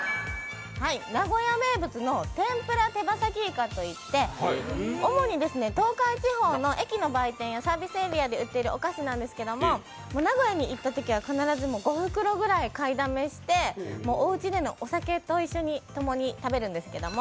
名古屋名物天ぷらてばさきいかといって、主に東海地方の駅の売店やサービスエリアで打っているお菓子なんですけど名古屋にいったときは必ず５袋くらい買いだめして、おうちで、お酒とともに食べるんですけども。